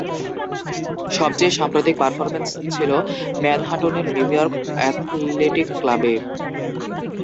সবচেয়ে সাম্প্রতিক পারফরম্যান্স ছিল ম্যানহাটনের নিউ ইয়র্ক অ্যাথলেটিক ক্লাবে।